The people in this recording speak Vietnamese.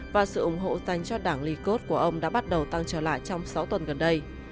và sự ủng hộ dành cho đảng likos của ông đã bắt đầu tăng trở lại trong sáu tuần gần đây